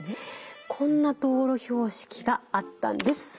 こんな道路標識があったんです。